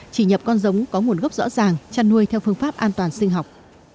chỉ nhập con giống có nguồn gốc rõ ràng chăn nuôi theo phương pháp an toàn sinh học